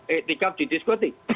ektikab di diskotik